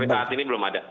saat ini belum ada